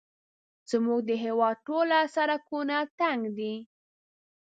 زموږ د هېواد ټوله سړکونه تنګ دي